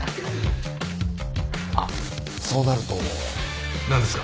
あっそうなると。何ですか？